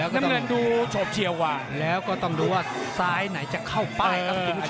น้ำเงินดูโฉบเชียวกว่าแล้วก็ต้องดูว่าซ้ายไหนจะเข้าป้ายครับคุณผู้ชม